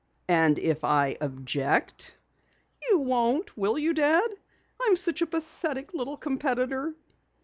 "And if I object?" "You won't, will you, Dad? I'm such a pathetic little competitor."